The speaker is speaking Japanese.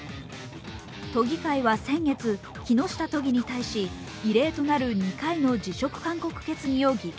都議会は先月、木下都議に対し異例となる２回の辞職勧告決議を議決。